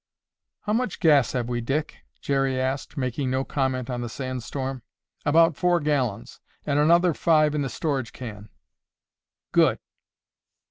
"How much gas have we, Dick?" Jerry asked, making no comment on the sand storm. "About four gallons. And another five in the storage can." "Good!"